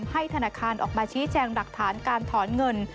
ธนาคารออกมาชี้แจงหลักฐานการถอนเงิน